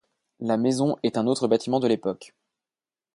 La maison est un autre bâtiment de l'époque.